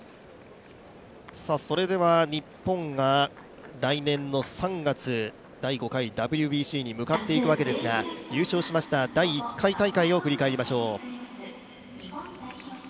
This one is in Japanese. それでは、日本が来年３月、第５回ＷＢＣに向かっていくわけですが、優勝しました第１回大会を振り返りましょう。